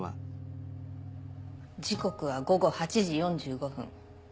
時刻は午後８時４５分。